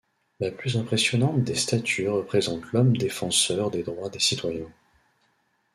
La plus impressionnante des statues représente l'homme défenseur des droits des citoyens.